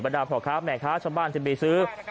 ดาพ่อค้าแม่ค้าชาวบ้านที่ไปซื้อ